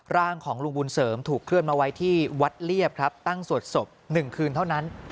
ร่างของลุงบุญเสริมถูกเคลื่อนมาไว้ที่วัดเรียบครับตั้งสวดศพ๑คืนเท่านั้น